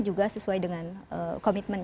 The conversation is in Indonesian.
juga sesuai dengan komitmen